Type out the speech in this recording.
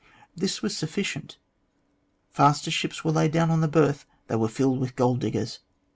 This was sufficient. Fast as ships were laid on the berth, they were filled with gold diggers.